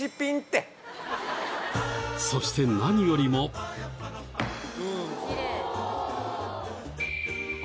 そして何よりもきれい！